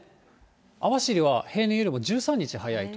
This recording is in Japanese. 網走は平年よりも１３日早いと。